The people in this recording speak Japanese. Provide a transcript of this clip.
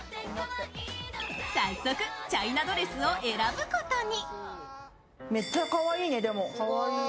早速チャイナドレスを選ぶことに。